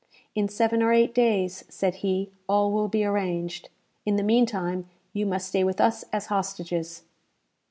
"In seven or eight days," said he, "all will be arranged. In the meantime you must stay with us as hostages."